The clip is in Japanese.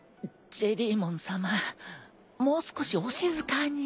ジェリーモンさまもう少しお静かに。